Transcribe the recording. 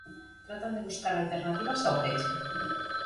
Tratan de buscar alternativas ao peche.